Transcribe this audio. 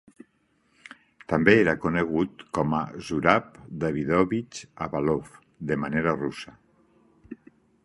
També era conegut com a Zurab Davidovich Avalov de manera russa.